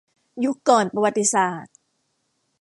ยุคก่อนประวัติศาสตร์